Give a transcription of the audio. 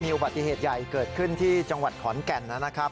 อุบัติเหตุใหญ่เกิดขึ้นที่จังหวัดขอนแก่นนะครับ